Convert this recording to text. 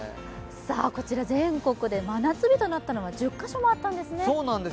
全国で真夏日となったのは１０カ所もあったんですよね。